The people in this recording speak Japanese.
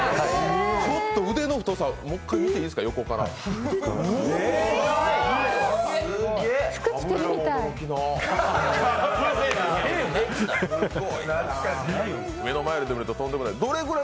ちょっと腕の太さもっかい見ていいですか、横から。